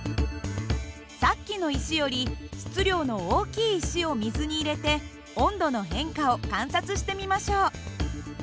さっきの石より質量の大きい石を水に入れて温度の変化を観察してみましょう。